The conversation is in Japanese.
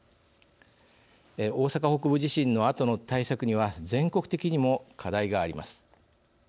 大阪北部地震のあとの対策には全国的にも課題があります。